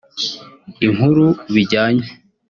Inkuru bijyanye